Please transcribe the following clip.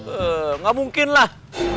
enggak mungkin lah